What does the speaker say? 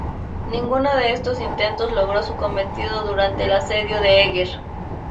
Ninguno de estos intentos logró su cometido durante el asedio de Eger.